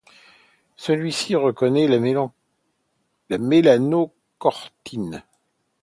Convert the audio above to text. Celle-ci reconnaît la mélanocortine.